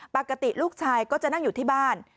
ปกติลูกชายก็จะนั่งอยู่ที่บ้าน